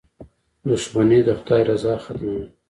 • دښمني د خدای رضا ختموي.